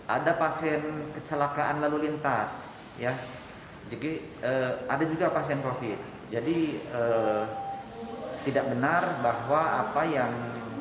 ada pasien kecelakaan lalu lintas ya jadi ada juga pasien profit jadi tidak benar bahwa apa yang